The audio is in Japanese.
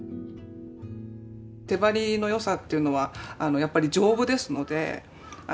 手貼りの良さっていうのはやっぱり丈夫ですので。